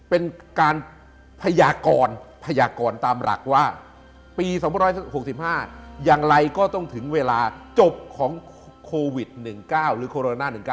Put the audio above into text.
เป็นการพยากรพยากรตามหลักว่าปี๒๖๕อย่างไรก็ต้องถึงเวลาจบของโควิด๑๙หรือโคโรนา๑๙